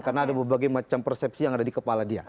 karena ada berbagai macam persepsi yang ada di kepala dia